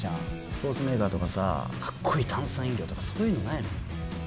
スポーツメーカーとかさかっこいい炭酸飲料とかそういうのないの？